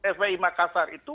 sbi makassar itu